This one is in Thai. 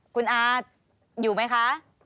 คุณอาอยู่ไหมคะ